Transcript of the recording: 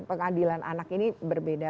peradilan anak ini berbeda